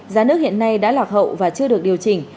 giá nước hiện nay đã lạc hậu và chưa được điều chỉnh